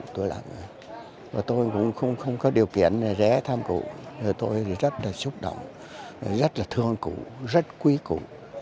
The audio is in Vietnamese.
tôi cũng không có điều kiện rẻ thăm pierre bá tôi rất là xúc động rất là thương cử quý cử